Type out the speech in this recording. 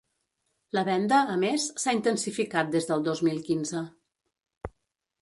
La venda, a més, s’ha intensificat des del dos mil quinze.